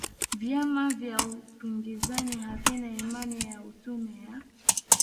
vyama vya upinzani havina imani na tume ya